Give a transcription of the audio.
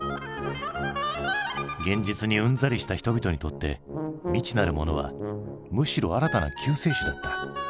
現実にうんざりした人々にとって未知なるものはむしろ新たな救世主だった。